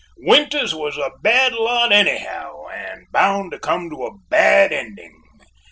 Winters was a bad lot anyhow and bound to come to a bad ending."